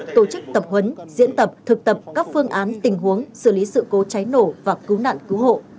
tổ chức tập huấn diễn tập thực tập các phương án tình huống xử lý sự cố cháy nổ và cứu nạn cứu hộ